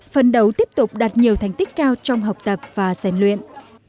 phần đầu tiếp tục đạt nhiều thành tích cao trong học tập và sàn luyện